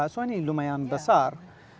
so ini lumayan besar